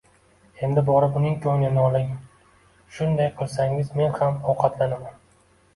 Endi borib uning ko'nglini oling, shunday qilsangiz men ham ovqatlanaman.